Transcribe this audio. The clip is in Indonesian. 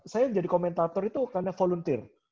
saya jadi komentator itu karena volunteer